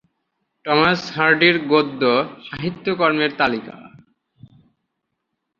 Thomas হার্ডির গদ্য সাহিত্যকর্মের তালিকা,